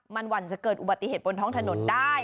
มันหวั่นจะเกิดอุบัติเหตุบนท้องถนนได้